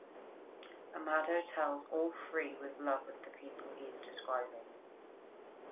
Amado tells all three with love of the people he is describing.